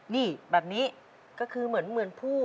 นี่แบบนี้ก็คือเหมือนผู้